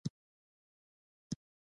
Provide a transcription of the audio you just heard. خور د خوږو خبرو خزانه ده.